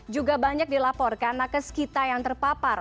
juga banyak dilaporkan nakes kita yang terpapar